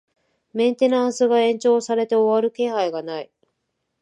メンテナンスが延長されて終わる気配がない